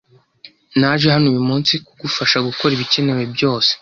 Naje hano uyu munsi kugufasha gukora ibikenewe byose.